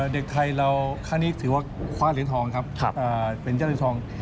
เด็กไทยเราครั้งนี้ถือว่าคว้าเหรียญทองครับเป็นเจ้าเหรียญทอง